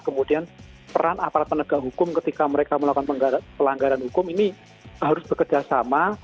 kemudian peran aparat penegak hukum ketika mereka melakukan pelanggaran hukum ini harus bekerja sama